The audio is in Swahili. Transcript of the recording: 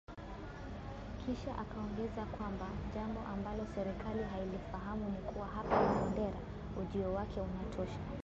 Kisha akaongeza kwamba "jambo ambalo serikali hailifahamu ni kuwa hapa Marondera, ujio wake unatosha”